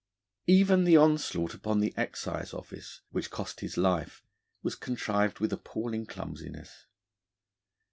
Even the onslaught upon the Excise Office, which cost his life, was contrived with appalling clumsiness.